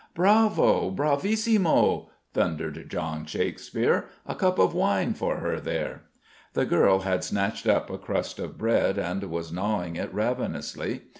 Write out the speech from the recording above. "Bravo! bravissimo!" thundered John Shakespeare. "A cup of wine for her, there!" The girl had snatched up a crust of bread and was gnawing it ravenously.